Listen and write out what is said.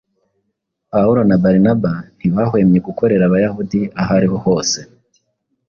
Pawulo na Barinaba ntibahwemye gukorera abayahudi aho ari ho hose